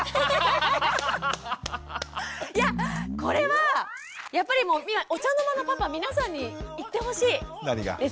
いやこれはやっぱりもうお茶の間のパパ皆さんに言ってほしいですね。